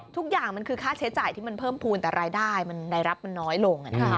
ทุกอย่างมันคือค่าใช้จ่ายที่มันเพิ่มภูมิแต่รายได้มันรายรับมันน้อยลง